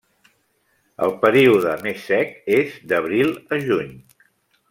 El període més sec és d'abril a juny.